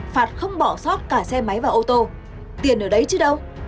phạt không bỏ sót cả xe máy và ô tô tiền ở đấy chứ đâu